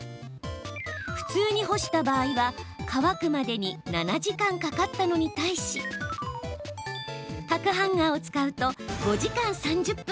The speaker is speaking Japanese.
普通に干した場合は、乾くまでに７時間かかったのに対し角ハンガーを使うと５時間３０分。